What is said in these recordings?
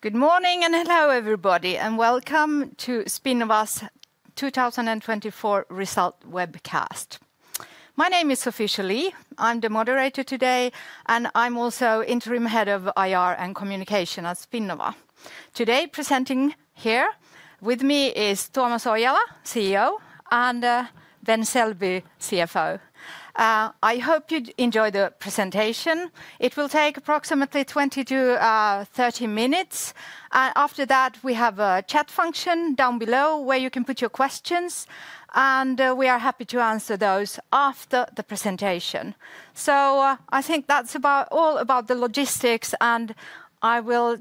Good morning and hello, everybody, and welcome to Spinnova's 2024 Result Webcast. My name is Sophie Chollet. I'm the moderator today, and I'm also Interim Head of IR and Communication at Spinnova. Today, presenting here with me is Tuomas Oijala, CEO, and Ben Selby, CFO. I hope you enjoy the presentation. It will take approximately 20 to 30 minutes. After that, we have a chat function down below where you can put your questions, and we are happy to answer those after the presentation. I think that's all about the logistics, and I will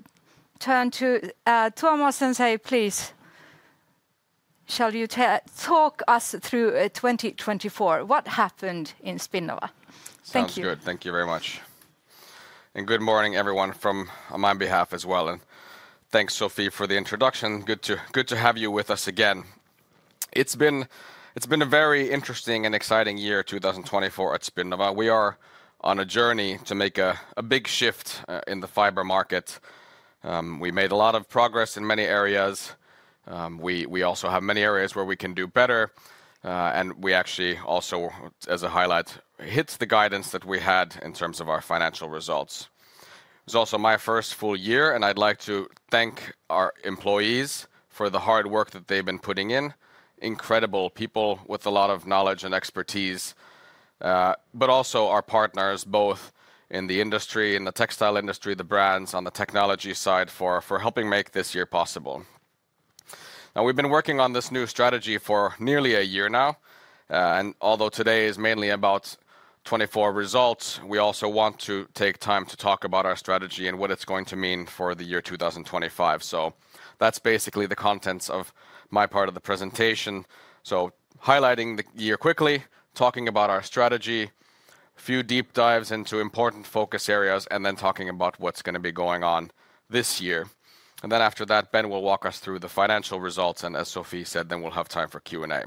turn to Tuomas and say, please, shall you talk us through 2024? What happened in Spinnova? Thank you. Sounds good. Thank you very much. Good morning, everyone, from my behalf as well. Thanks, Sophie, for the introduction. Good to have you with us again. It's been a very interesting and exciting year, 2024, at Spinnova. We are on a journey to make a big shift in the fiber market. We made a lot of progress in many areas. We also have many areas where we can do better, and we actually also, as a highlight, hit the guidance that we had in terms of our financial results. It's also my first full year, and I'd like to thank our employees for the hard work that they've been putting in. Incredible people with a lot of knowledge and expertise, but also our partners, both in the industry, in the textile industry, the brands on the technology side, for helping make this year possible. Now, we've been working on this new strategy for nearly a year now, and although today is mainly about 2024 results, we also want to take time to talk about our strategy and what it's going to mean for the year 2025. That's basically the contents of my part of the presentation. Highlighting the year quickly, talking about our strategy, a few deep dives into important focus areas, and then talking about what's going to be going on this year. After that, Ben will walk us through the financial results, and as Sophie said, then we'll have time for Q&A.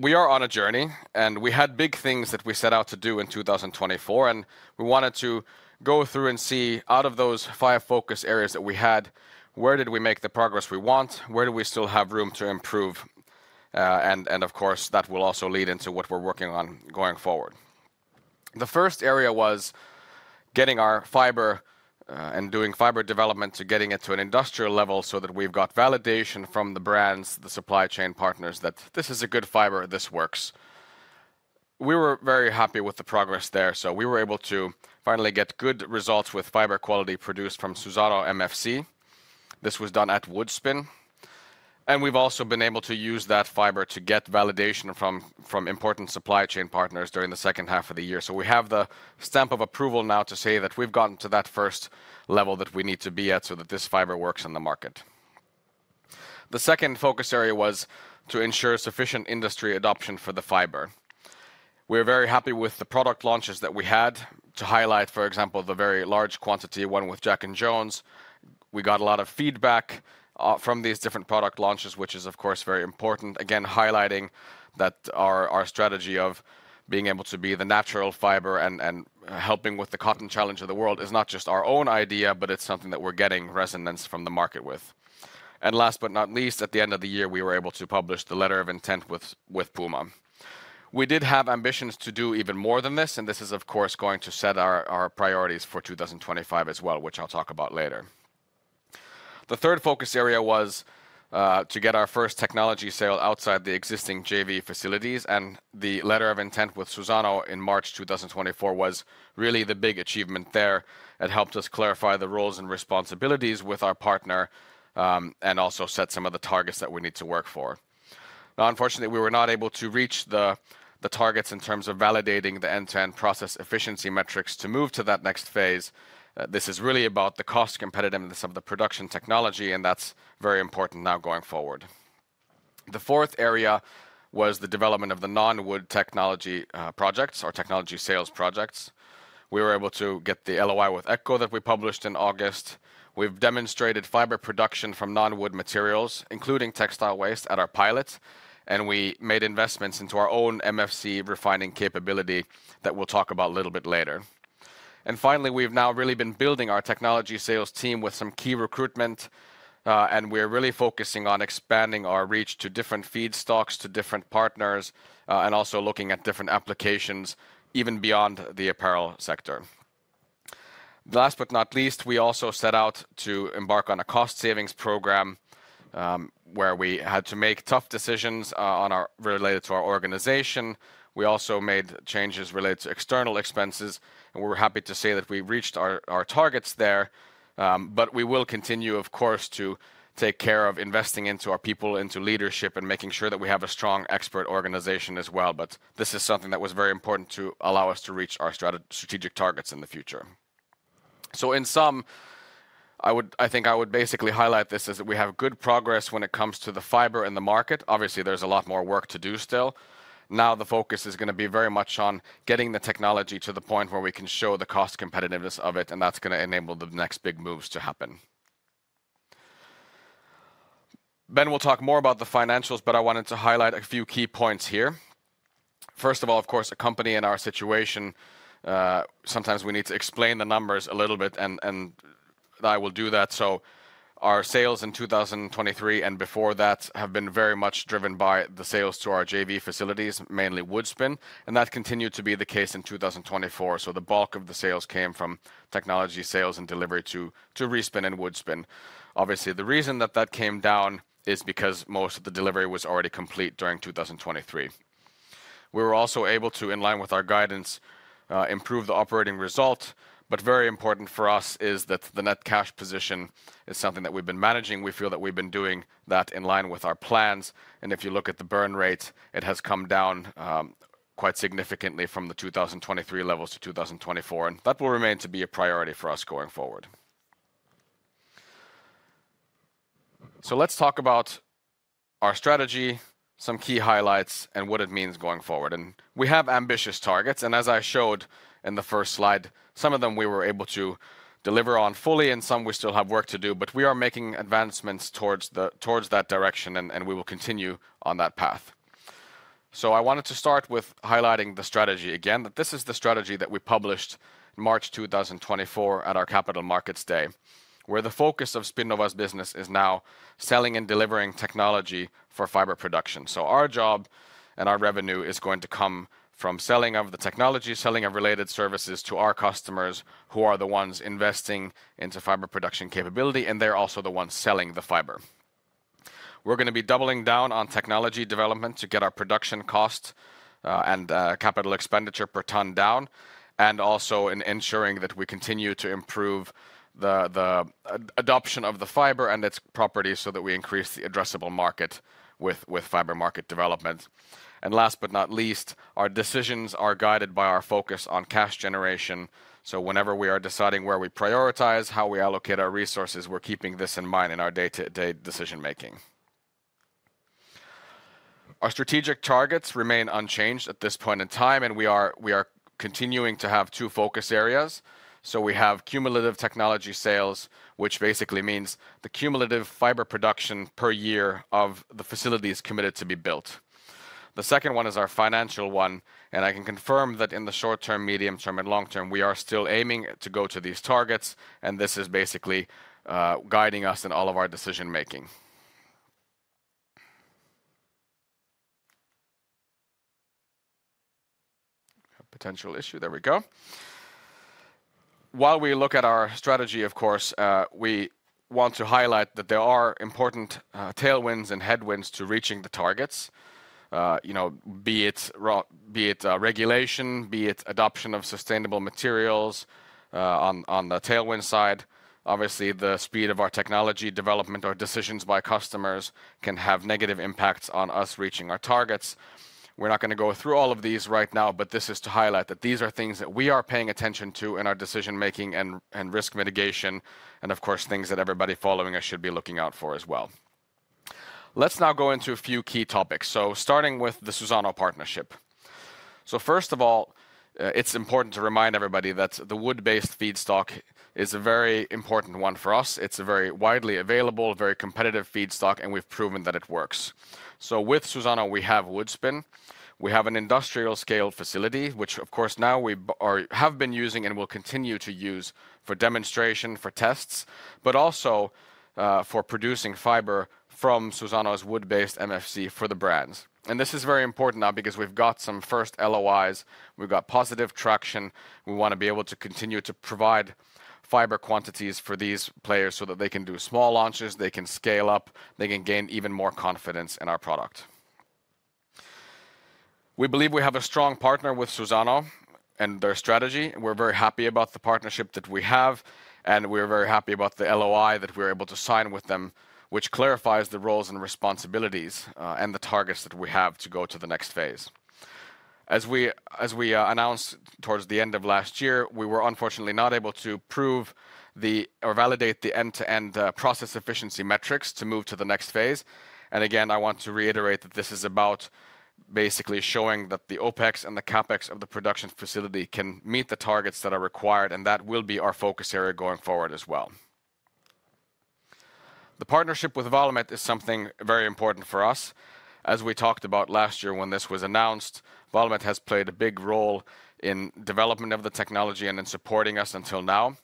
We are on a journey, and we had big things that we set out to do in 2024, and we wanted to go through and see out of those five focus areas that we had, where did we make the progress we want? Where do we still have room to improve? That will also lead into what we're working on going forward. The first area was getting our fiber and doing fiber development to getting it to an industrial level so that we've got validation from the brands, the supply chain partners, that this is a good fiber, this works. We were very happy with the progress there, so we were able to finally get good results with fiber quality produced from Suzano MFC. This was done at Woodspin, and we've also been able to use that fiber to get validation from important supply chain partners during the second half of the year. We have the stamp of approval now to say that we've gotten to that first level that we need to be at so that this fiber works in the market. The second focus area was to ensure sufficient industry adoption for the fiber. We're very happy with the product launches that we had to highlight, for example, the very large quantity one with Jack & Jones. We got a lot of feedback from these different product launches, which is, of course, very important. Again, highlighting that our strategy of being able to be the natural fiber and helping with the cotton challenge of the world is not just our own idea, but it's something that we're getting resonance from the market with. Last but not least, at the end of the year, we were able to publish the letter of intent with Puma. We did have ambitions to do even more than this, and this is, of course, going to set our priorities for 2025 as well, which I'll talk about later. The third focus area was to get our first technology sale outside the existing JV facilities, and the letter of intent with Suzano in March 2024 was really the big achievement there. It helped us clarify the roles and responsibilities with our partner and also set some of the targets that we need to work for. Now, unfortunately, we were not able to reach the targets in terms of validating the end-to-end process efficiency metrics to move to that next phase. This is really about the cost competitiveness of the production technology, and that's very important now going forward. The fourth area was the development of the non-wood technology projects or technology sales projects. We were able to get the LOI with ECCO that we published in August. have demonstrated fiber production from non-wood materials, including textile waste, at our pilot, and we made investments into our own MFC refining capability that we will talk about a little bit later. Finally, we have now really been building our technology sales team with some key recruitment, and we are really focusing on expanding our reach to different feedstocks, to different partners, and also looking at different applications even beyond the apparel sector. Last but not least, we also set out to embark on a cost savings program where we had to make tough decisions related to our organization. We also made changes related to external expenses, and we are happy to say that we reached our targets there, but we will continue, of course, to take care of investing into our people, into leadership, and making sure that we have a strong expert organization as well. This is something that was very important to allow us to reach our strategic targets in the future. In sum, I think I would basically highlight this as we have good progress when it comes to the fiber in the market. Obviously, there's a lot more work to do still. Now the focus is going to be very much on getting the technology to the point where we can show the cost competitiveness of it, and that's going to enable the next big moves to happen. Ben will talk more about the financials, but I wanted to highlight a few key points here. First of all, of course, a company in our situation, sometimes we need to explain the numbers a little bit, and I will do that. Our sales in 2023 and before that have been very much driven by the sales to our JV facilities, mainly Woodspin, and that continued to be the case in 2024. The bulk of the sales came from technology sales and delivery to Respin and Woodspin. Obviously, the reason that that came down is because most of the delivery was already complete during 2023. We were also able to, in line with our guidance, improve the operating result, but very important for us is that the net cash position is something that we've been managing. We feel that we've been doing that in line with our plans, and if you look at the burn rate, it has come down quite significantly from the 2023 levels to 2024, and that will remain to be a priority for us going forward. Let's talk about our strategy, some key highlights, and what it means going forward. We have ambitious targets, and as I showed in the first slide, some of them we were able to deliver on fully, and some we still have work to do, but we are making advancements towards that direction, and we will continue on that path. I wanted to start with highlighting the strategy again, that this is the strategy that we published in March 2024 at our Capital Markets Day, where the focus of Spinnova's business is now selling and delivering technology for fiber production. Our job and our revenue is going to come from selling of the technology, selling of related services to our customers who are the ones investing into fiber production capability, and they're also the ones selling the fiber. We're going to be doubling down on technology development to get our production cost and capital expenditure per ton down, and also in ensuring that we continue to improve the adoption of the fiber and its properties so that we increase the addressable market with fiber market development. Last but not least, our decisions are guided by our focus on cash generation. Whenever we are deciding where we prioritize, how we allocate our resources, we're keeping this in mind in our day-to-day decision-making. Our strategic targets remain unchanged at this point in time, and we are continuing to have two focus areas. We have cumulative technology sales, which basically means the cumulative fiber production per year of the facilities committed to be built. The second one is our financial one, and I can confirm that in the short term, medium term, and long term, we are still aiming to go to these targets, and this is basically guiding us in all of our decision-making. Potential issue. There we go. While we look at our strategy, of course, we want to highlight that there are important tailwinds and headwinds to reaching the targets, be it regulation, be it adoption of sustainable materials. On the tailwind side, obviously, the speed of our technology development or decisions by customers can have negative impacts on us reaching our targets. We're not going to go through all of these right now, but this is to highlight that these are things that we are paying attention to in our decision-making and risk mitigation, and of course, things that everybody following us should be looking out for as well. Let's now go into a few key topics. Starting with the Suzano partnership. First of all, it's important to remind everybody that the wood-based feedstock is a very important one for us. It's a very widely available, very competitive feedstock, and we've proven that it works. With Suzano, we have Woodspin. We have an industrial-scale facility, which, of course, now we have been using and will continue to use for demonstration, for tests, but also for producing fiber from Suzano's wood-based MFC for the brands. This is very important now because we've got some first LOIs. We've got positive traction. We want to be able to continue to provide fiber quantities for these players so that they can do small launches, they can scale up, they can gain even more confidence in our product. We believe we have a strong partner with Suzano and their strategy. We're very happy about the partnership that we have, and we're very happy about the LOI that we're able to sign with them, which clarifies the roles and responsibilities and the targets that we have to go to the next phase. As we announced towards the end of last year, we were unfortunately not able to prove or validate the end-to-end process efficiency metrics to move to the next phase. I want to reiterate that this is about basically showing that the OpEx and the CapEx of the production facility can meet the targets that are required, and that will be our focus area going forward as well. The partnership with Valmet is something very important for us. As we talked about last year when this was announced, Valmet has played a big role in development of the technology and in supporting us until now.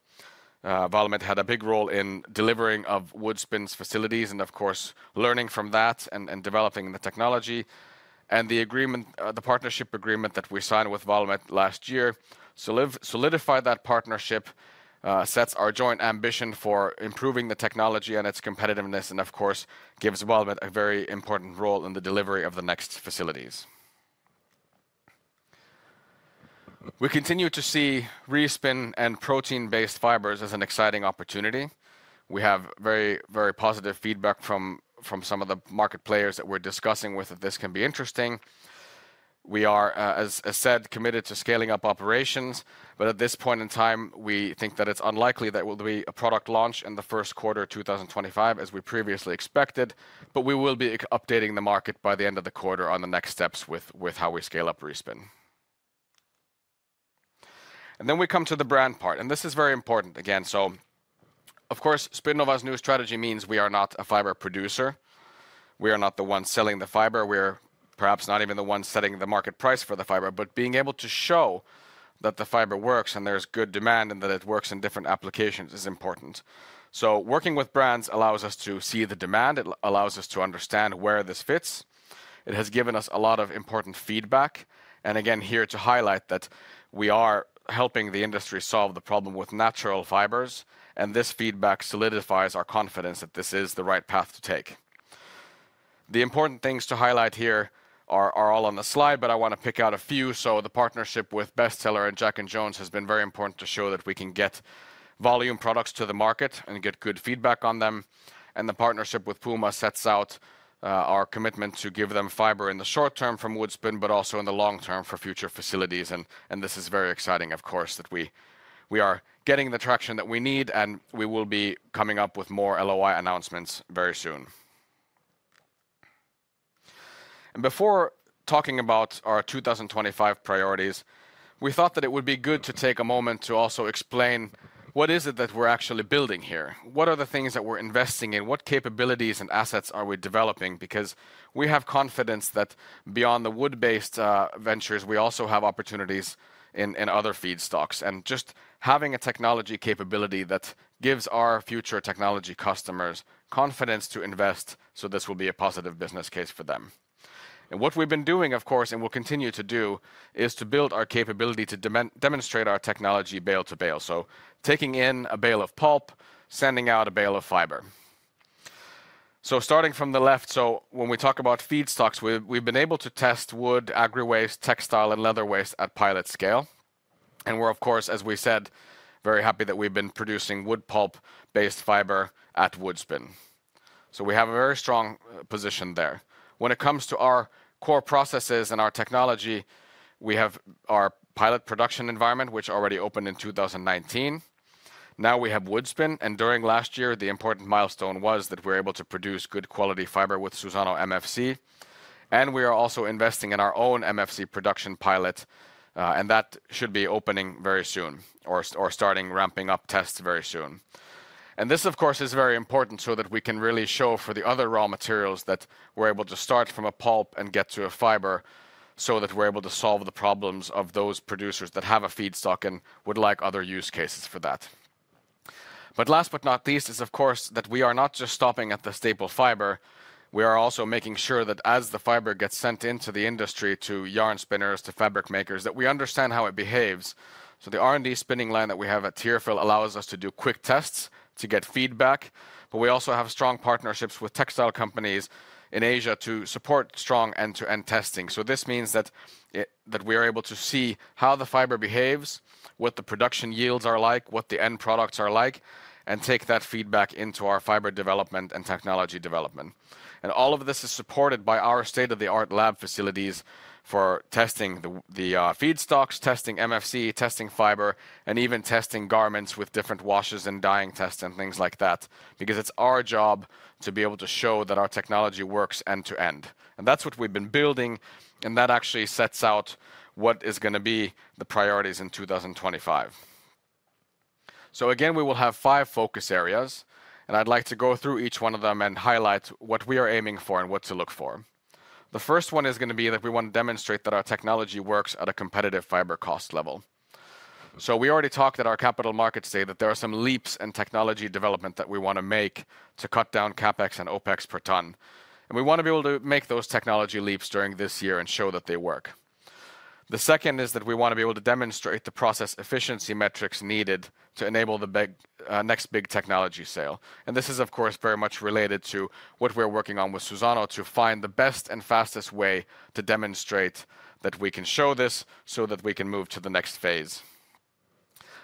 Valmet had a big role in delivering Woodspin's facilities and, of course, learning from that and developing the technology. The partnership agreement that we signed with Valmet last year solidified that partnership, sets our joint ambition for improving the technology and its competitiveness, and, of course, gives Valmet a very important role in the delivery of the next facilities. We continue to see Respin and protein-based fibers as an exciting opportunity. We have very, very positive feedback from some of the market players that we're discussing with that this can be interesting. We are, as said, committed to scaling up operations, but at this point in time, we think that it's unlikely that there will be a product launch in the first quarter of 2025, as we previously expected. We will be updating the market by the end of the quarter on the next steps with how we scale up Respin. We come to the brand part, and this is very important again. Of course, Spinnova's new strategy means we are not a fiber producer. We are not the ones selling the fiber. We are perhaps not even the ones setting the market price for the fiber, but being able to show that the fiber works and there's good demand and that it works in different applications is important. Working with brands allows us to see the demand. It allows us to understand where this fits. It has given us a lot of important feedback. Again, here to highlight that we are helping the industry solve the problem with natural fibers, and this feedback solidifies our confidence that this is the right path to take. The important things to highlight here are all on the slide, but I want to pick out a few. The partnership with Bestseller and Jack & Jones has been very important to show that we can get volume products to the market and get good feedback on them. The partnership with Puma sets out our commitment to give them fiber in the short term from Woodspin, but also in the long term for future facilities. This is very exciting, of course, that we are getting the traction that we need, and we will be coming up with more LOI announcements very soon. Before talking about our 2025 priorities, we thought that it would be good to take a moment to also explain what is it that we're actually building here. What are the things that we're investing in? What capabilities and assets are we developing? We have confidence that beyond the wood-based ventures, we also have opportunities in other feedstocks. Just having a technology capability that gives our future technology customers confidence to invest, this will be a positive business case for them. What we've been doing, of course, and will continue to do, is to build our capability to demonstrate our technology bale-to-bale. Taking in a bale of pulp, sending out a bale of fiber. Starting from the left, when we talk about feedstocks, we've been able to test wood, agri waste, textile, and leather waste at pilot scale. We are, of course, as we said, very happy that we have been producing wood pulp-based fiber at Woodspin. We have a very strong position there. When it comes to our core processes and our technology, we have our pilot production environment, which already opened in 2019. Now we have Woodspin, and during last year, the important milestone was that we were able to produce good quality fiber with Suzano MFC. We are also investing in our own MFC production pilot, and that should be opening very soon or starting ramping up tests very soon. This, of course, is very important so that we can really show for the other raw materials that we are able to start from a pulp and get to a fiber so that we are able to solve the problems of those producers that have a feedstock and would like other use cases for that. Last but not least is, of course, that we are not just stopping at the staple fiber. We are also making sure that as the fiber gets sent into the industry to yarn spinners, to fabric makers, that we understand how it behaves. The R&D spinning line that we have at Tearfil allows us to do quick tests to get feedback, but we also have strong partnerships with textile companies in Asia to support strong end-to-end testing. This means that we are able to see how the fiber behaves, what the production yields are like, what the end products are like, and take that feedback into our fiber development and technology development. All of this is supported by our state-of-the-art lab facilities for testing the feedstocks, testing MFC, testing fiber, and even testing garments with different washes and dyeing tests and things like that, because it's our job to be able to show that our technology works end-to-end. That is what we've been building, and that actually sets out what is going to be the priorities in 2025. Again, we will have five focus areas, and I'd like to go through each one of them and highlight what we are aiming for and what to look for. The first one is going to be that we want to demonstrate that our technology works at a competitive fiber cost level. We already talked at our capital markets day that there are some leaps in technology development that we want to make to cut down CapEx and OpEx per ton. We want to be able to make those technology leaps during this year and show that they work. The second is that we want to be able to demonstrate the process efficiency metrics needed to enable the next big technology sale. This is, of course, very much related to what we're working on with Suzano to find the best and fastest way to demonstrate that we can show this so that we can move to the next phase.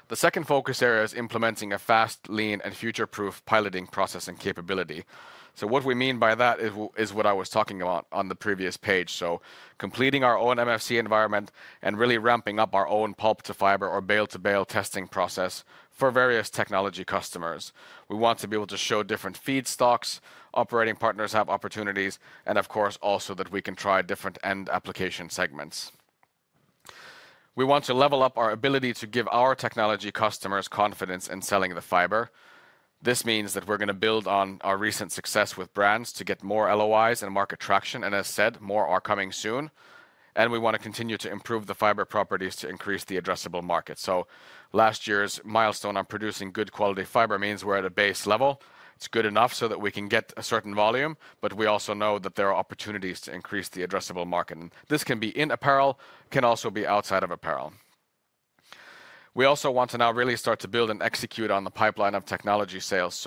The second focus area is implementing a fast, lean, and future-proof piloting process and capability. What we mean by that is what I was talking about on the previous page. Completing our own MFC environment and really ramping up our own pulp-to-fiber or bale-to-bale testing process for various technology customers. We want to be able to show different feedstocks, operating partners have opportunities, and of course, also that we can try different end application segments. We want to level up our ability to give our technology customers confidence in selling the fiber. This means that we're going to build on our recent success with brands to get more LOIs and market traction. As said, more are coming soon. We want to continue to improve the fiber properties to increase the addressable market. Last year's milestone on producing good quality fiber means we're at a base level. It's good enough so that we can get a certain volume, but we also know that there are opportunities to increase the addressable market. This can be in apparel, can also be outside of apparel. We also want to now really start to build and execute on the pipeline of technology sales.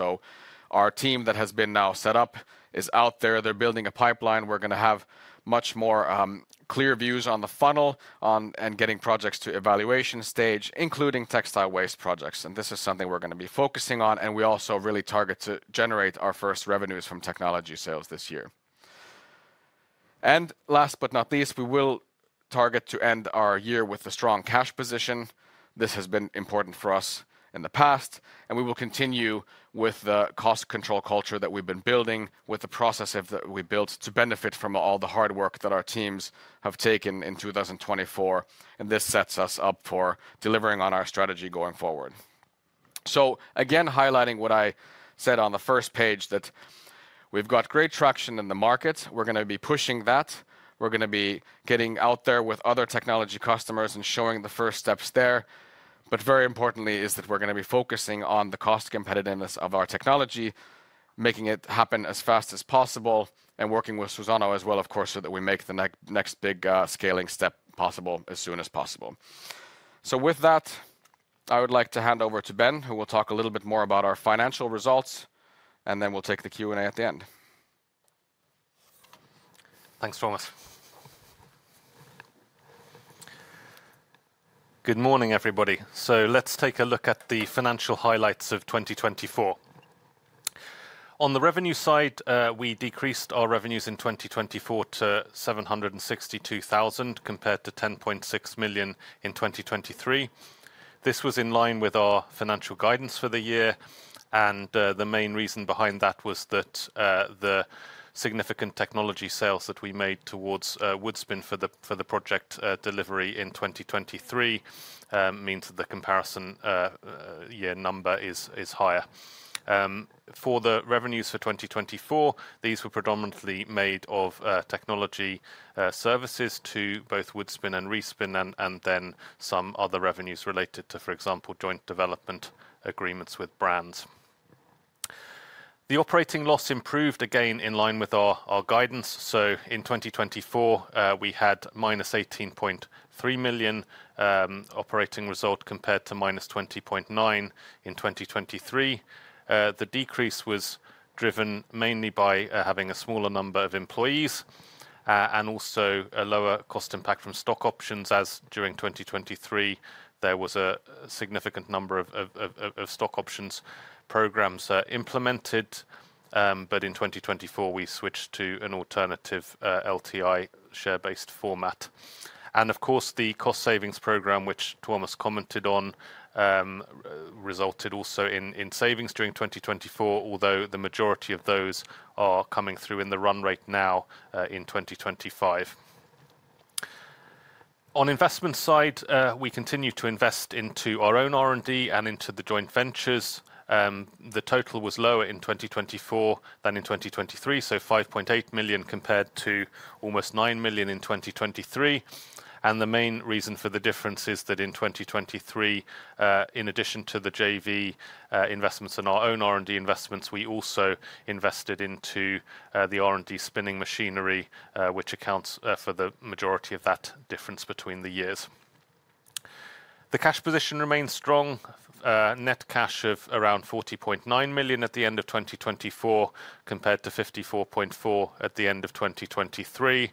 Our team that has been now set up is out there. They're building a pipeline. We're going to have much more clear views on the funnel and getting projects to evaluation stage, including textile waste projects. This is something we're going to be focusing on, and we also really target to generate our first revenues from technology sales this year. Last but not least, we will target to end our year with a strong cash position. This has been important for us in the past, and we will continue with the cost control culture that we've been building with the processes that we built to benefit from all the hard work that our teams have taken in 2024. This sets us up for delivering on our strategy going forward. Again, highlighting what I said on the first page, that we've got great traction in the market. We're going to be pushing that. We're going to be getting out there with other technology customers and showing the first steps there. Very importantly is that we're going to be focusing on the cost competitiveness of our technology, making it happen as fast as possible and working with Suzano as well, of course, so that we make the next big scaling step possible as soon as possible. With that, I would like to hand over to Ben, who will talk a little bit more about our financial results, and then we'll take the Q&A at the end. Thanks, Tuomas. Good morning, everybody. Let's take a look at the financial highlights of 2024. On the revenue side, we decreased our revenues in 2024 to 762,000 compared to 10.6 million in 2023. This was in line with our financial guidance for the year. The main reason behind that was that the significant technology sales that we made towards Woodspin for the project delivery in 2023 means that the comparison year number is higher. For the revenues for 2024, these were predominantly made of technology services to both Woodspin and Respin, and then some other revenues related to, for example, joint development agreements with brands. The operating loss improved again in line with our guidance. In 2024, we had -18.3 million operating result compared to -20.9 million in 2023. The decrease was driven mainly by having a smaller number of employees and also a lower cost impact from stock options, as during 2023, there was a significant number of stock options programs implemented. In 2024, we switched to an alternative LTI share-based format. Of course, the cost savings program, which Tuomas commented on, resulted also in savings during 2024, although the majority of those are coming through in the run rate now in 2025. On the investment side, we continue to invest into our own R&D and into the joint ventures. The total was lower in 2024 than in 2023, so 5.8 million compared to almost 9 million in 2023. The main reason for the difference is that in 2023, in addition to the JV investments and our own R&D investments, we also invested into the R&D spinning machinery, which accounts for the majority of that difference between the years. The cash position remains strong, net cash of around 40.9 million at the end of 2024 compared to 54.4 million at the end of 2023.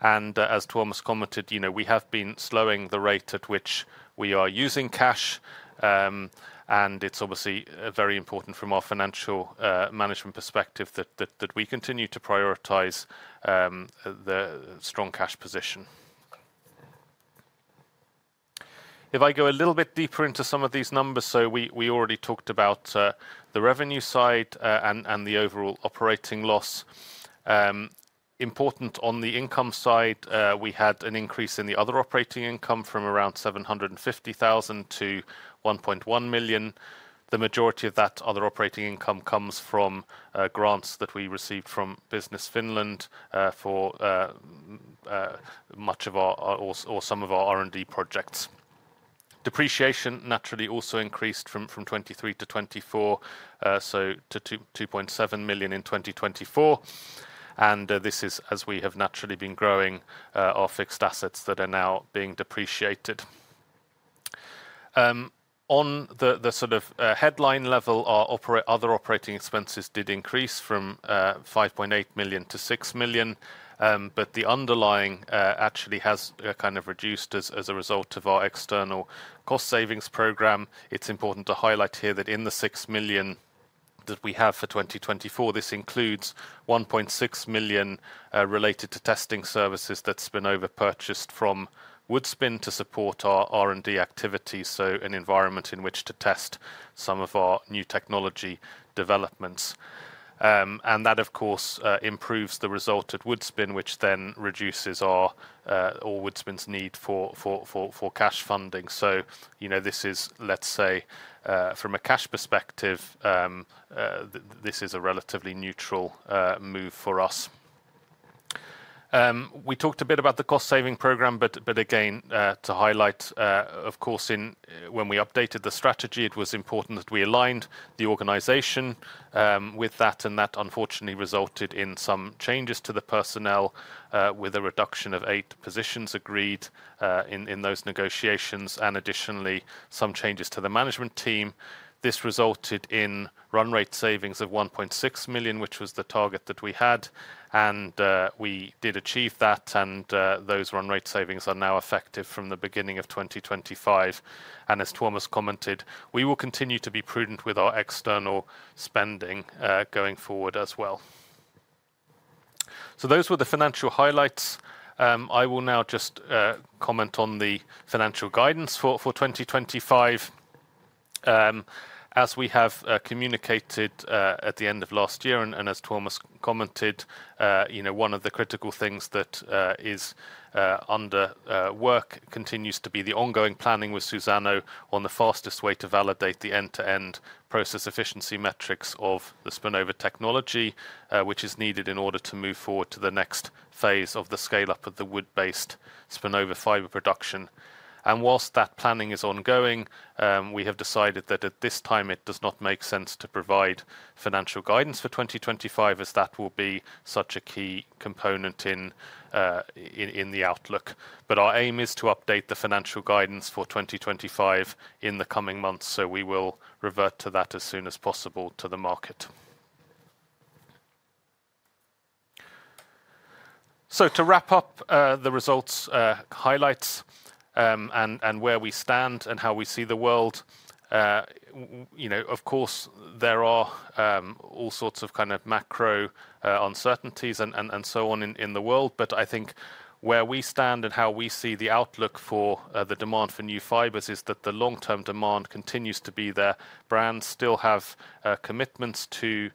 As Tuomas commented, we have been slowing the rate at which we are using cash. It is obviously very important from our financial management perspective that we continue to prioritize the strong cash position. If I go a little bit deeper into some of these numbers, we already talked about the revenue side and the overall operating loss. Important on the income side, we had an increase in the other operating income from around 750,000 to 1.1 million. The majority of that other operating income comes from grants that we received from Business Finland for much of our or some of our R&D projects. Depreciation naturally also increased from 2023 to 2024, to 2.7 million in 2024. This is, as we have naturally been growing, our fixed assets that are now being depreciated. On the sort of headline level, our other operating expenses did increase from 5.8 million to 6 million, but the underlying actually has kind of reduced as a result of our external cost savings program. It's important to highlight here that in the 6 million that we have for 2024, this includes 1.6 million related to testing services that's been overpurchased from Woodspin to support our R&D activities, an environment in which to test some of our new technology developments. That, of course, improves the result at Woodspin, which then reduces all Woodspin's need for cash funding. This is, let's say, from a cash perspective, a relatively neutral move for us. We talked a bit about the cost saving program, but again, to highlight, of course, when we updated the strategy, it was important that we aligned the organization with that, and that unfortunately resulted in some changes to the personnel with a reduction of eight positions agreed in those negotiations, and additionally, some changes to the management team. This resulted in run rate savings of 1.6 million, which was the target that we had, and we did achieve that, and those run rate savings are now effective from the beginning of 2025. As Tuomas commented, we will continue to be prudent with our external spending going forward as well. Those were the financial highlights. I will now just comment on the financial guidance for 2025. As we have communicated at the end of last year, and as Tuomas commented, one of the critical things that is under work continues to be the ongoing planning with Suzano on the fastest way to validate the end-to-end process efficiency metrics of the Spinnova technology, which is needed in order to move forward to the next phase of the scale-up of the wood-based Spinnova fiber production. Whilst that planning is ongoing, we have decided that at this time, it does not make sense to provide financial guidance for 2025, as that will be such a key component in the outlook. Our aim is to update the financial guidance for 2025 in the coming months, so we will revert to that as soon as possible to the market. To wrap up the results highlights and where we stand and how we see the world, of course, there are all sorts of kind of macro uncertainties and so on in the world, but I think where we stand and how we see the outlook for the demand for new fibers is that the long-term demand continues to be there. Brands still have commitments to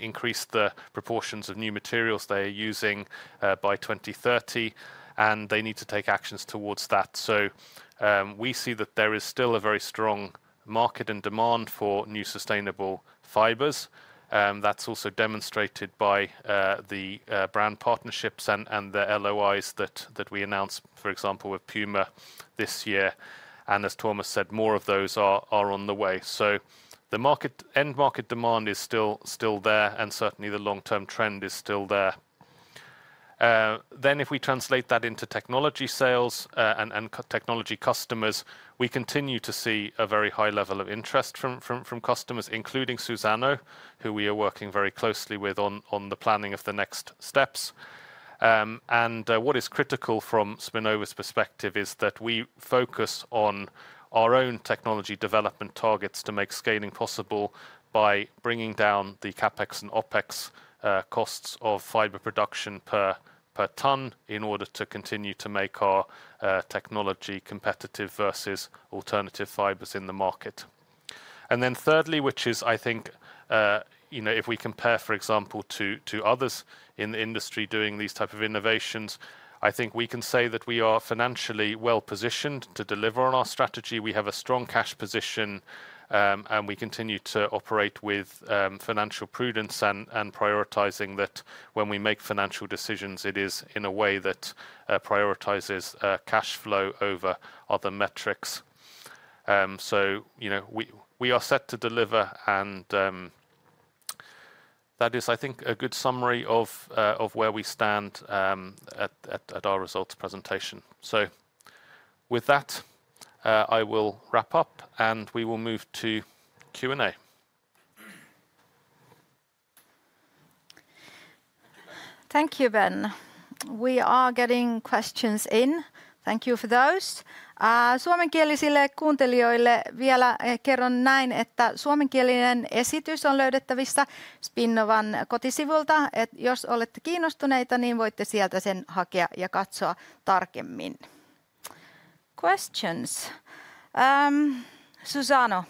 increase the proportions of new materials they are using by 2030, and they need to take actions towards that. We see that there is still a very strong market and demand for new sustainable fibers. That is also demonstrated by the brand partnerships and the LOIs that we announced, for example, with Puma this year. As Tuomas said, more of those are on the way. The end market demand is still there, and certainly the long-term trend is still there. If we translate that into technology sales and technology customers, we continue to see a very high level of interest from customers, including Suzano, who we are working very closely with on the planning of the next steps. What is critical from Spinnova's perspective is that we focus on our own technology development targets to make scaling possible by bringing down the CapEx and OpEx costs of fiber production per ton in order to continue to make our technology competitive versus alternative fibers in the market. Thirdly, which is, I think, if we compare, for example, to others in the industry doing these types of innovations, I think we can say that we are financially well positioned to deliver on our strategy. We have a strong cash position, and we continue to operate with financial prudence and prioritizing that when we make financial decisions, it is in a way that prioritizes cash flow over other metrics. We are set to deliver, and that is, I think, a good summary of where we stand at our results presentation. With that, I will wrap up, and we will move to Q&A. Thank you, Ben. We are getting questions in. Thank you for those. Suomenkielisille kuuntelijoille vielä kerron näin, että suomenkielinen esitys on löydettävissä Spinnovan kotisivulta. Jos olette kiinnostuneita, niin voitte sieltä sen hakea ja katsoa tarkemmin. Questions. Suzano,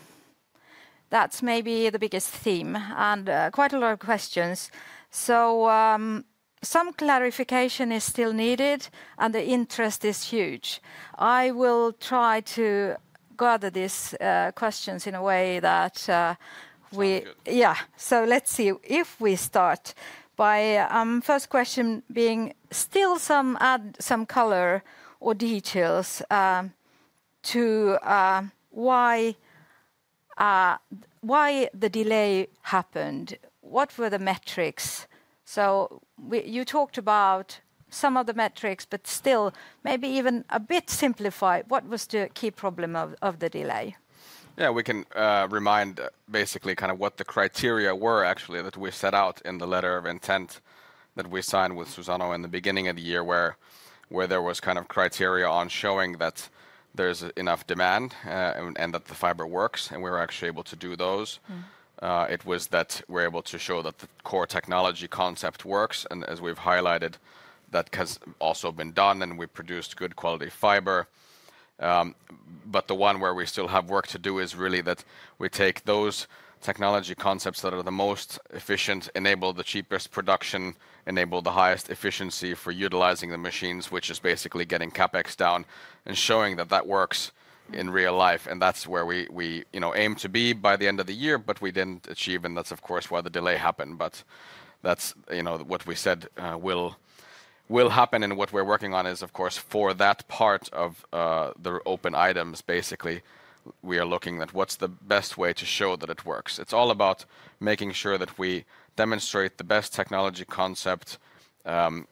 that's maybe the biggest theme, and quite a lot of questions. Some clarification is still needed, and the interest is huge. I will try to gather these questions in a way that we... Yeah, let's see if we start by first question being still some color or details to why the delay happened. What were the metrics? You talked about some of the metrics, but still maybe even a bit simplified, what was the key problem of the delay? Yeah, we can remind basically kind of what the criteria were actually that we set out in the letter of intent that we signed with Suzano in the beginning of the year where there was kind of criteria on showing that there's enough demand and that the fiber works, and we were actually able to do those. It was that we're able to show that the core technology concept works, and as we've highlighted, that has also been done, and we produced good quality fiber. The one where we still have work to do is really that we take those technology concepts that are the most efficient, enable the cheapest production, enable the highest efficiency for utilizing the machines, which is basically getting CapEx down and showing that that works in real life. That is where we aim to be by the end of the year, but we did not achieve, and that is of course why the delay happened. That is what we said will happen, and what we are working on is of course for that part of the open items. Basically, we are looking at what is the best way to show that it works. It is all about making sure that we demonstrate the best technology concept and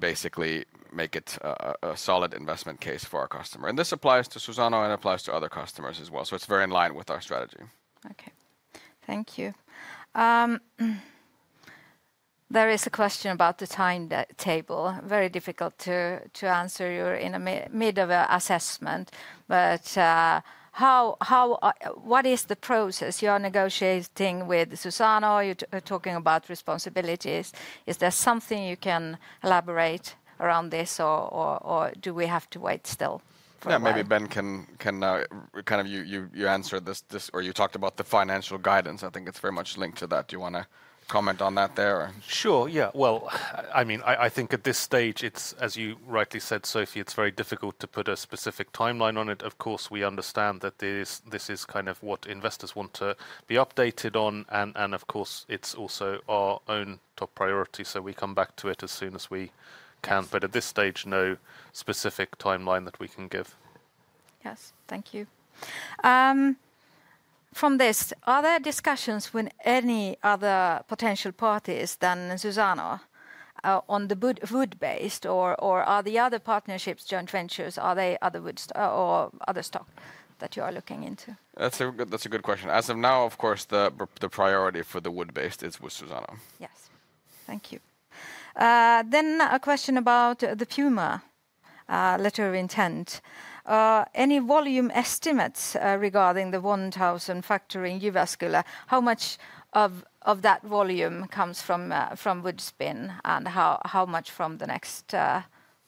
basically make it a solid investment case for our customer. This applies to Suzano and applies to other customers as well. It is very in line with our strategy. Okay, thank you. There is a question about the timetable. Very difficult to answer. You are in the middle of an assessment, but what is the process? You are negotiating with Suzano, you are talking about responsibilities. Is there something you can elaborate around this, or do we have to wait still? Maybe Ben can kind of, you answered this or you talked about the financial guidance. I think it is very much linked to that. Do you want to comment on that there? Sure, yeah. I mean, I think at this stage, as you rightly said, Sophie, it is very difficult to put a specific timeline on it. Of course, we understand that this is kind of what investors want to be updated on, and of course, it's also our own top priority, so we come back to it as soon as we can. At this stage, no specific timeline that we can give. Yes, thank you. From this, are there discussions with any other potential parties than Suzano on the wood-based, or are the other partnerships, joint ventures, are they other wood or other stock that you are looking into? That's a good question. As of now, of course, the priority for the wood-based is with Suzano. Yes, thank you. A question about the Puma letter of intent. Any volume estimates regarding the 1,000 factory in Jyväskylä? How much of that volume comes from Woodspin and how much from the next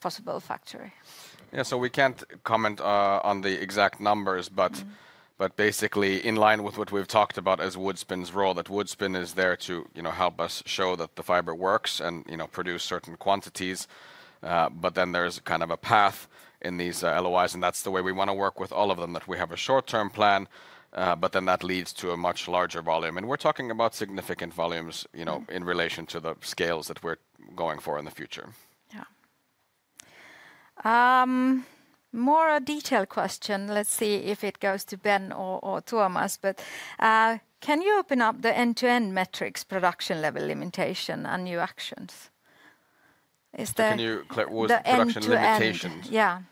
possible factory? Yeah, so we can't comment on the exact numbers, but basically in line with what we've talked about as Woodspin's role, that Woodspin is there to help us show that the fiber works and produce certain quantities. There is kind of a path in these LOIs, and that's the way we want to work with all of them, that we have a short-term plan, but then that leads to a much larger volume. We're talking about significant volumes in relation to the scales that we're going for in the future. Yeah. More a detailed question. Let's see if it goes to Ben or Tuomas, but can you open up the end-to-end metrics, production level limitation, and new actions? Is there? Can you click? Production limitations. Yeah.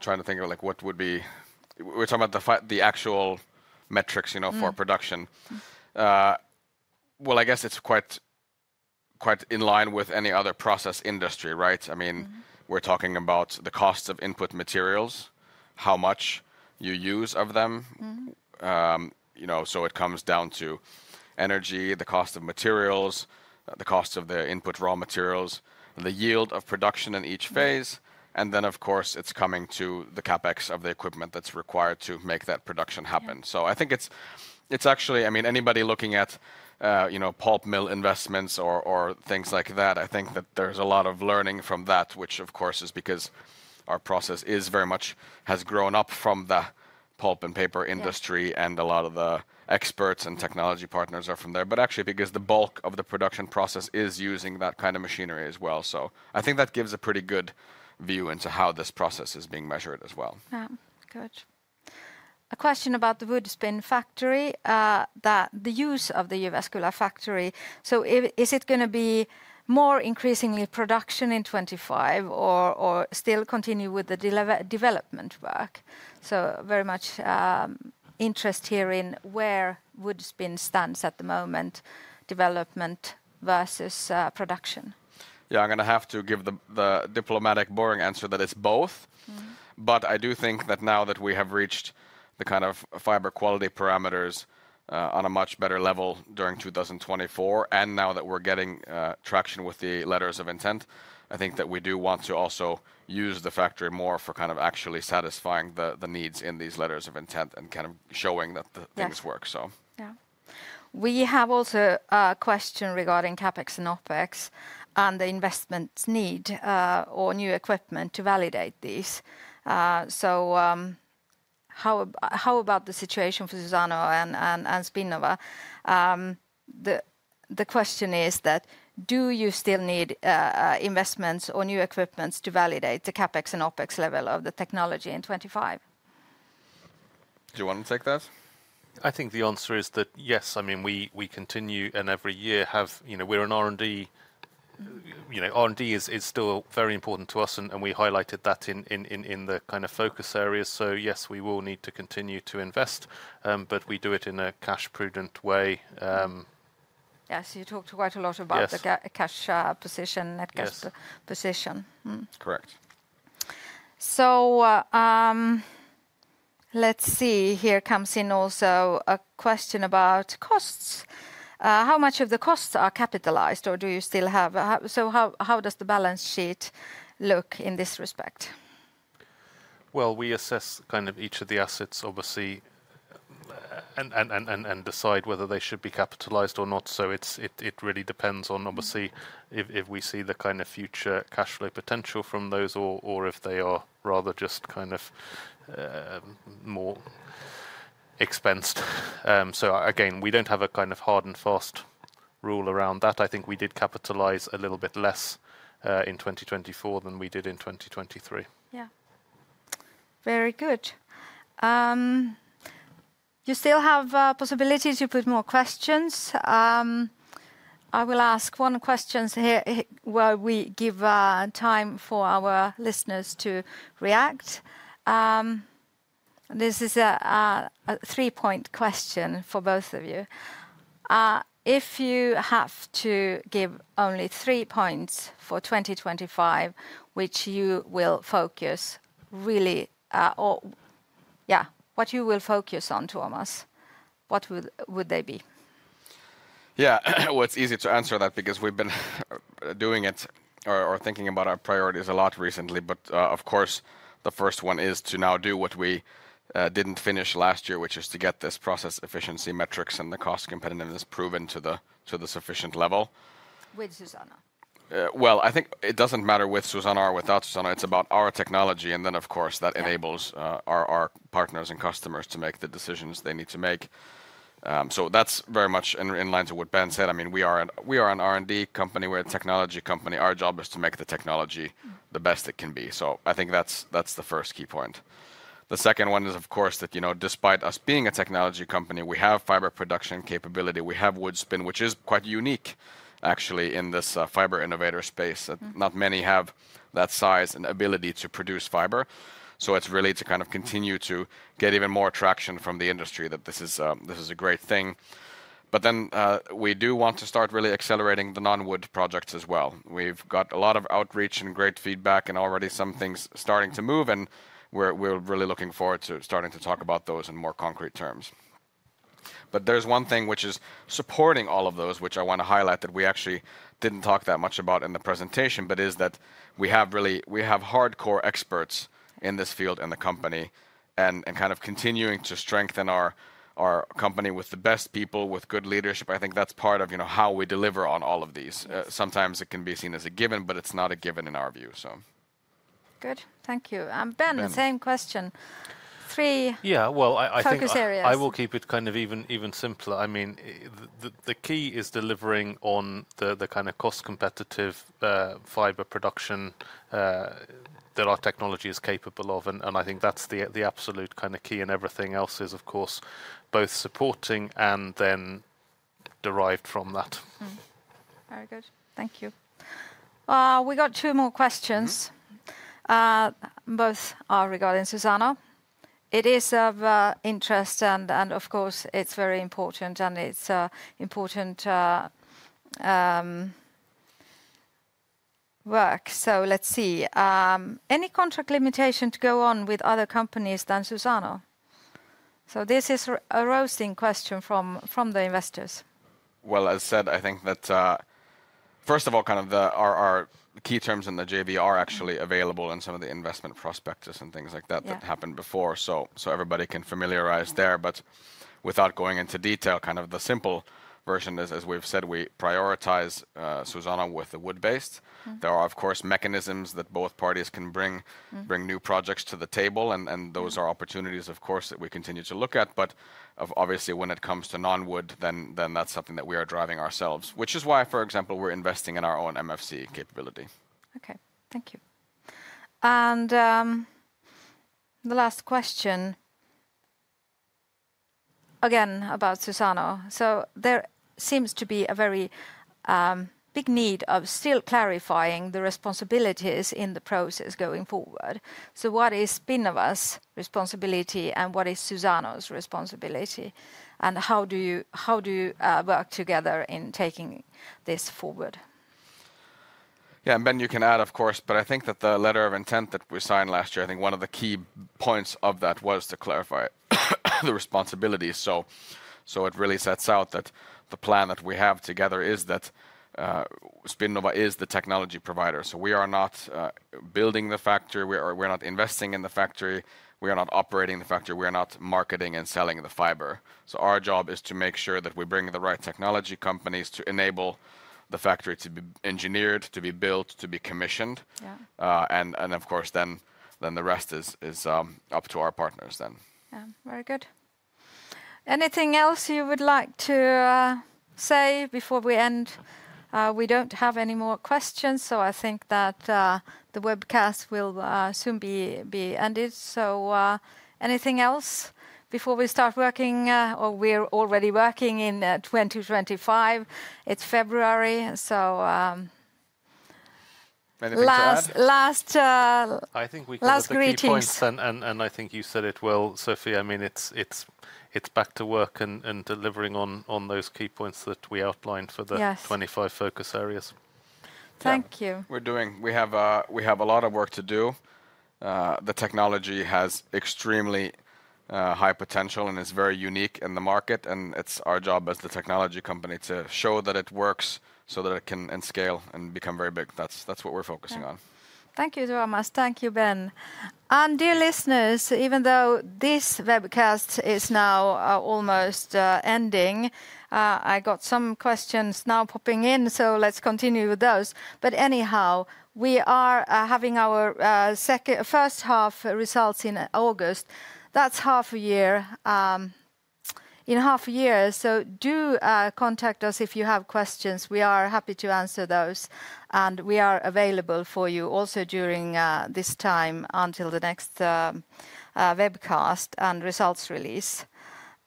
Trying to think of what would be, we're talking about the actual metrics for production. I guess it's quite in line with any other process industry, right? I mean, we're talking about the costs of input materials, how much you use of them. It comes down to energy, the cost of materials, the cost of the input raw materials, the yield of production in each phase, and then of course it's coming to the CapEx of the equipment that's required to make that production happen. I think it's actually, I mean, anybody looking at pulp mill investments or things like that, I think that there's a lot of learning from that, which of course is because our process very much has grown up from the pulp and paper industry and a lot of the experts and technology partners are from there, but actually because the bulk of the production process is using that kind of machinery as well. I think that gives a pretty good view into how this process is being measured as well. Yeah, good. A question about the Woodspin factory, the use of the Jyväskylä factory. Is it going to be more increasingly production in 2025 or still continue with the development work? Very much interest here in where Woodspin stands at the moment, development versus production. I'm going to have to give the diplomatic boring answer that it's both, but I do think that now that we have reached the kind of fiber quality parameters on a much better level during 2024, and now that we're getting traction with the letters of intent, I think that we do want to also use the factory more for kind of actually satisfying the needs in these letters of intent and kind of showing that things work. Yeah. We have also a question regarding CapEx and OpEx and the investment need or new equipment to validate these. How about the situation for Suzano and Spinnova? The question is that do you still need investments or new equipment to validate the CapEx and OpEx level of the technology in 2025? Do you want to take that? I think the answer is that yes. I mean, we continue and every year we're in R&D. R&D is still very important to us, and we highlighted that in the kind of focus areas. Yes, we will need to continue to invest, but we do it in a cash-prudent way. Yes, you talked quite a lot about the cash position, net cash position. Correct. Here comes in also a question about costs. How much of the costs are capitalized or do you still have? How does the balance sheet look in this respect? We assess kind of each of the assets, obviously, and decide whether they should be capitalized or not. It really depends on, obviously, if we see the kind of future cash flow potential from those or if they are rather just kind of more expensed. Again, we do not have a kind of hard and fast rule around that. I think we did capitalize a little bit less in 2024 than we did in 2023. Very good. You still have possibility to put more questions. I will ask one question here where we give time for our listeners to react. This is a three-point question for both of you. If you have to give only three points for 2025, which you will focus really, what you will focus on, Tuomas, what would they be? Yeah, it's easy to answer that because we've been doing it or thinking about our priorities a lot recently. Of course, the first one is to now do what we didn't finish last year, which is to get this process efficiency metrics and the cost competitiveness proven to the sufficient level. With Suzano? I think it doesn't matter with Suzano or without Suzano. It's about our technology, and then of course that enables our partners and customers to make the decisions they need to make. That's very much in line with what Ben said. I mean, we are an R&D company. We're a technology company. Our job is to make the technology the best it can be. I think that's the first key point. The second one is, of course, that despite us being a technology company, we have fiber production capability. We have Woodspin, which is quite unique actually in this fiber innovator space. Not many have that size and ability to produce fiber. It is really to kind of continue to get even more traction from the industry that this is a great thing. We do want to start really accelerating the non-wood projects as well. We have got a lot of outreach and great feedback and already some things starting to move, and we are really looking forward to starting to talk about those in more concrete terms. There is one thing which is supporting all of those, which I want to highlight that we actually did not talk that much about in the presentation, but is that we have hardcore experts in this field in the company and kind of continuing to strengthen our company with the best people, with good leadership. I think that's part of how we deliver on all of these. Sometimes it can be seen as a given, but it's not a given in our view, so. Good, thank you. Ben, same question. Three. I think I will keep it kind of even simpler. I mean, the key is delivering on the kind of cost competitive fiber production that our technology is capable of, and I think that's the absolute kind of key, and everything else is, of course, both supporting and then derived from that. Very good, thank you. We got two more questions. Both are regarding Suzano. It is of interest, and of course it's very important and it's important work. Let's see. Any contract limitation to go on with other companies than Suzano? This is a roasting question from the investors. As said, I think that first of all, kind of our key terms in the JV are actually available in some of the investment prospectus and things like that that happened before. Everybody can familiarize there. Without going into detail, kind of the simple version is, as we've said, we prioritize Suzano with the wood-based. There are, of course, mechanisms that both parties can bring new projects to the table, and those are opportunities, of course, that we continue to look at. Obviously, when it comes to non-wood, then that's something that we are driving ourselves, which is why, for example, we're investing in our own MFC capability. Okay, thank you. The last question, again about Suzano. There seems to be a very big need of still clarifying the responsibilities in the process going forward. What is Spinnova's responsibility and what is Suzano's responsibility, and how do you work together in taking this forward? Yeah, and Ben, you can add, of course, but I think that the letter of intent that we signed last year, I think one of the key points of that was to clarify the responsibilities. It really sets out that the plan that we have together is that Spinnova is the technology provider. We are not building the factory. We are not investing in the factory. We are not operating the factory. We are not marketing and selling the fiber. Our job is to make sure that we bring the right technology companies to enable the factory to be engineered, to be built, to be commissioned. Of course, then the rest is up to our partners then. Yeah, very good. Anything else you would like to say before we end? We do not have any more questions, so I think that the webcast will soon be ended. Anything else before we start working, or we are already working in 2025? It is February, so...Ben, a few last. Last greetings. I think we covered a few points, and I think you said it well, Sophie. I mean, it is back to work and delivering on those key points that we outlined for the 25 focus areas. Thank you. We have a lot of work to do. The technology has extremely high potential and is very unique in the market, and it is our job as the technology company to show that it works so that it can scale and become very big. That is what we are focusing on. Thank you, Tuomas. Thank you, Ben. Dear listeners, even though this webcast is now almost ending, I got some questions now popping in, so let's continue with those. Anyhow, we are having our first half results in August. That's half a year in half a year. Do contact us if you have questions. We are happy to answer those, and we are available for you also during this time until the next webcast and results release.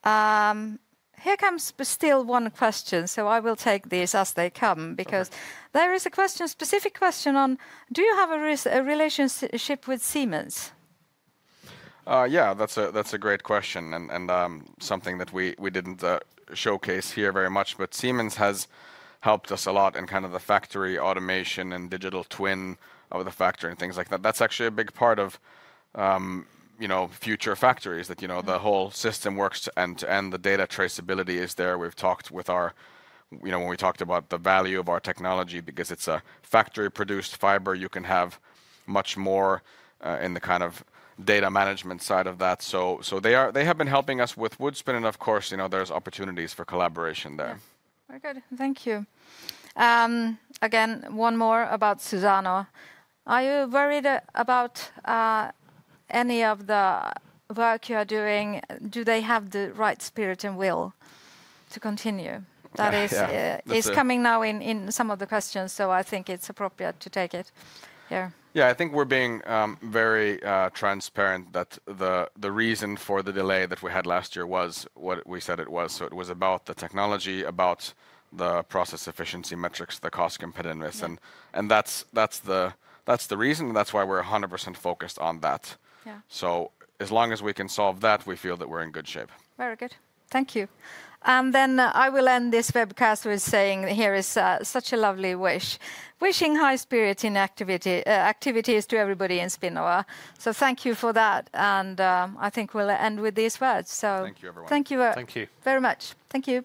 Here comes still one question, so I will take these as they come because there is a specific question on, do you have a relationship with Siemens? Yeah, that's a great question and something that we didn't showcase here very much, but Siemens has helped us a lot in kind of the factory automation and digital twin of the factory and things like that. That's actually a big part of future factories that the whole system works to end to end. The data traceability is there. We've talked with our, when we talked about the value of our technology because it's a factory-produced fiber, you can have much more in the kind of data management side of that. They have been helping us with Woodspin, and of course, there's opportunities for collaboration there. Very good, thank you. Again, one more about Suzano. Are you worried about any of the work you are doing? Do they have the right spirit and will to continue? That is coming now in some of the questions, so I think it's appropriate to take it here. Yeah, I think we're being very transparent that the reason for the delay that we had last year was what we said it was. It was about the technology, about the process efficiency metrics, the cost competitiveness, and that's the reason, and that's why we're 100% focused on that. As long as we can solve that, we feel that we're in good shape. Very good, thank you. I will end this webcast with saying here is such a lovely wish, wishing high spirit and activities to everybody in Spinnova. Thank you for that, and I think we'll end with these words. Thank you, everyone. Thank you very much. Thank you.